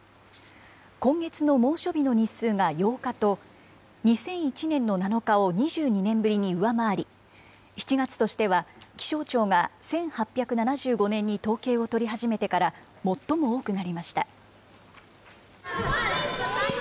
今月の猛暑日の日数が８日と、２００１年の７日を２２年ぶりに上回り、７月としては、気象庁が１８７５年に統計を取り始めてから最も多くなりました。